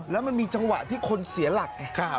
แล้วมันมีจังหวะที่คนเสียหลักไง